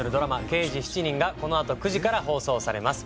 『刑事７人』がこのあと９時から放送されます。